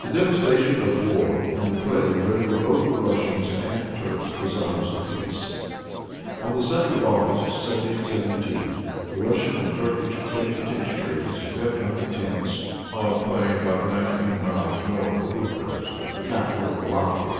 The devastations of war and of the plague rendered both the Russians and Turks desirous of peace. On the 2d of August, 1772, the Russian and Turkish plenipotentiaries met under tents, on a plain about nineteen miles north of Bucharest, the capital of Wallachia.